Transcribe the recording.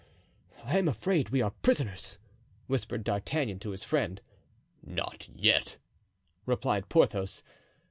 "I'm afraid we are prisoners," whispered D'Artagnan to his friend. "Not yet," replied Porthos.